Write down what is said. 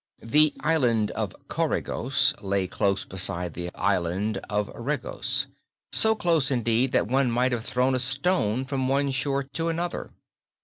The Island of Coregos lay close beside the Island of Regos; so close, indeed, that one might have thrown a stone from one shore to another.